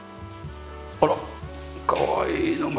あらっかわいいのが。